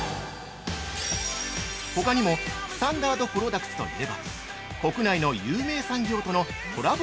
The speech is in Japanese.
◆ほかにも、スタンダードプロダクツといえば、国内の有名産業とのコラボ